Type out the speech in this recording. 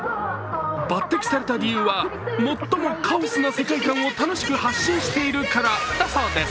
抜てきされた理由は最もカオスな世界観を楽しく発信しているからだそうです。